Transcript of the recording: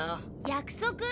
約束！